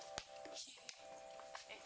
eh udah gaul kan